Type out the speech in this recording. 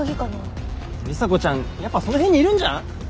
里紗子ちゃんやっぱその辺にいるんじゃん？